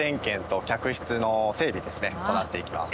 行っていきます。